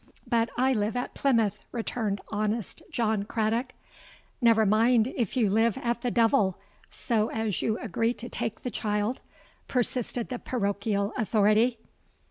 '—'But I live at Plymouth,' returned honest John Craddock.—'Never mind if you live at the devil, so as you agree to take the child,' persisted the parochial authority.